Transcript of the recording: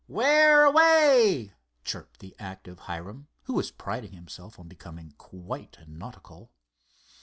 "Where away?" chirped the active Hiram, who was priding himself on becoming quite nautical.